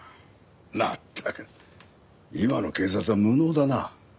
まったく今の警察は無能だな。